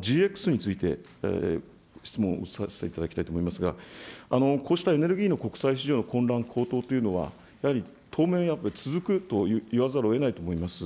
次にＧＸについて質問させていただきたいと思いますが、こうしたエネルギーの国際市場の混乱、高騰というのは、やはり当面、続くと言わざるをえないと思います。